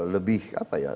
lebih apa ya